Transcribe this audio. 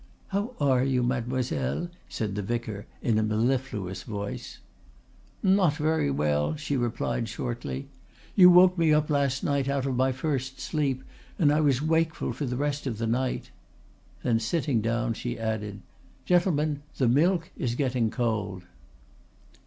"How are you, mademoiselle?" said the vicar, in a mellifluous voice. "Not very well," she replied, shortly. "You woke me up last night out of my first sleep, and I was wakeful for the rest of the night." Then, sitting down, she added, "Gentlemen, the milk is getting cold."